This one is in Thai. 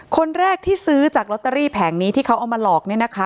คนแรกที่ซื้อจากลอตเตอรี่แผงนี้ที่เขาเอามาหลอกเนี่ยนะคะ